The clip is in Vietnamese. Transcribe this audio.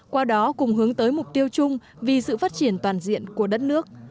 qua đó cùng hướng tới mục tiêu chung vì sự phát triển toàn diện của đất nước